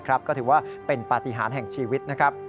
ก็ถือว่าเป็นปฏิหารแห่งชีวิต